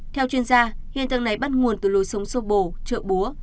theo chuyên gia hiện tượng này bắt nguồn từ lối sống xô bồ trợ búa